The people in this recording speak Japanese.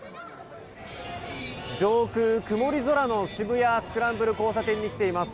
上空、曇り空の渋谷スクランブル交差点に来ています。